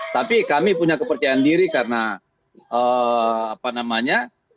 tapi kami punya kepercayaan diri karena